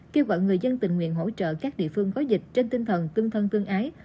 kêu gọi người dân tình nguyện hỗ trợ các địa phương có dịch trên tinh thần tương thân tương ái